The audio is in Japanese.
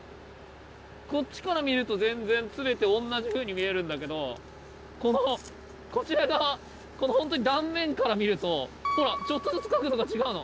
こっちから見ると全然全ておんなじふうに見えるんだけどこのこちら側断面から見るとほらちょっとずつ角度が違うの。